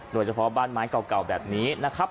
โดยเฉพาะบ้านไม้เก่าแบบนี้นะครับ